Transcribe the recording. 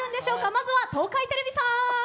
まずは東海テレビさん。